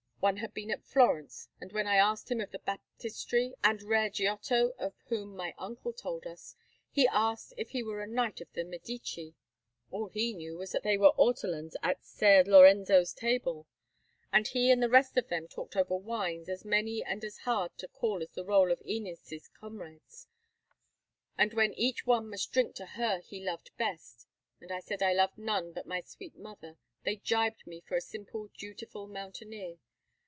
One had been at Florence; and when I asked him of the Baptistery and rare Giotto of whom my uncle told us, he asked if he were a knight of the Medici. All he knew was that there were ortolans at Ser Lorenzo's table; and he and the rest of them talked over wines as many and as hard to call as the roll of Æneas's comrades; and when each one must drink to her he loved best, and I said I loved none like my sweet mother, they gibed me for a simple dutiful mountaineer.